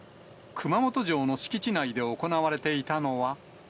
熊本城の敷地内で行われていたのは。